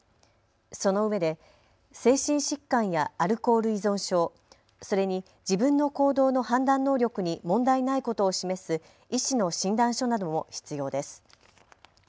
そのうえで精神疾患やアルコール依存症、それに自分の行動の判断能力に問題ないことを示す医師の診断書なども必要です。